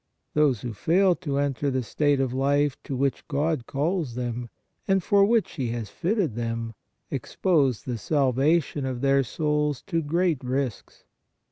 Those who fail to enter the state of life to which God calls them, and for which He has fitted them, expose the salvation of their souls to great risks.